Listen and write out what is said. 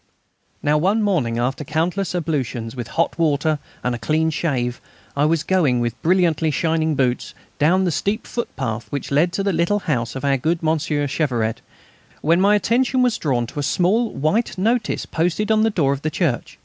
Now one morning, after countless ablutions with hot water and a clean shave, I was going, with brilliantly shining boots, down the steep footpath which led to the little house of our good Monsieur Cheveret, when my attention was drawn to a small white notice posted on the door of the church.